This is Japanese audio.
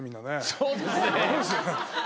そうですね。